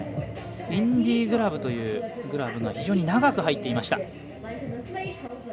インディグラブというグラブが非常に長く入っていました。